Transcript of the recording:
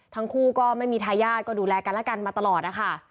ทั้งคู่ก็ไม่มีทายาทก็ดูแลกันและกันมาตลอดนะคะ